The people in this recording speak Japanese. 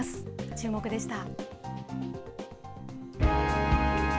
チューモク！でした。